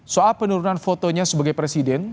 soal penurunan fotonya sebagai presiden